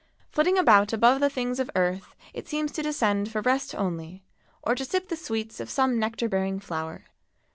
Flitting about above the things of earth it seems to descend for rest only, or to sip the sweets of some nectar bearing flower.